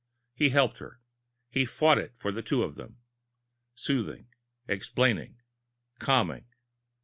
He helped her. He fought it for the two of them ... soothing, explaining, calming.